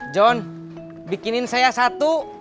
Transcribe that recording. john bikinin saya satu